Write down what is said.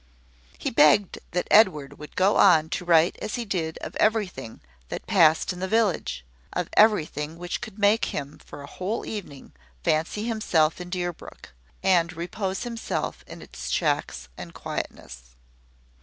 He begged that Edward would go on to write as he did of everything that passed in the village of everything which could make him for a whole evening fancy himself in Deerbrook, and repose himself in its shacks and quietness.